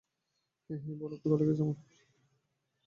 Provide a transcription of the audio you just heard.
হেই, hey, বলো ক্ষুধা লেগেছে তোমার।